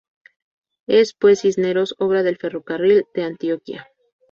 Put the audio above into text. Es pues Cisneros, obra del Ferrocarril de Antioquia.